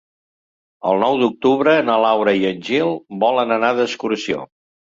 El nou d'octubre na Laura i en Gil volen anar d'excursió.